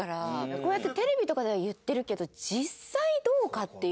こうやってテレビとかでは言ってるけど。